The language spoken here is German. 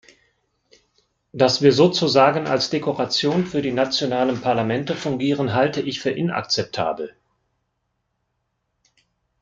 Dass wir sozusagen als Dekoration für die nationalen Parlamente fungieren, halte ich für inakzeptabel.